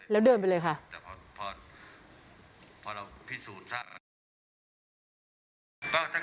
แล้วเดินไปเลยค่ะ